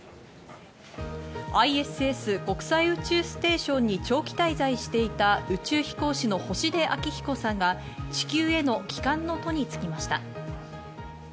ＩＳＳ＝国際宇宙ステーションに長期滞在していた宇宙飛行士の星出彰彦さんが地球への帰還の途につきました。